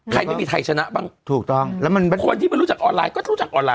ไม่มีใครชนะบ้างถูกต้องแล้วมันคนที่ไม่รู้จักออนไลน์ก็รู้จักออนไล